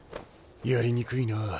やりにくいな。